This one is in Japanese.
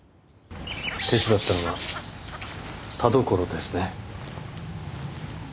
手伝ったのが田所ですね。